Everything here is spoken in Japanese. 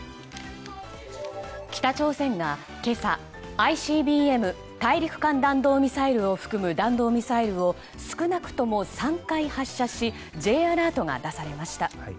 北朝鮮が今朝ＩＣＢＭ・大陸間弾道ミサイルを含む弾道ミサイルを少なくとも３回発射しＪアラートが出されました。